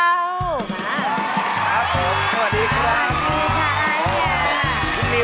ครับผมสวัสดีครับสวัสดีค่ะสวัสดีค่ะ